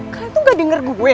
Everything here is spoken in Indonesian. kalian tuh gak denger gue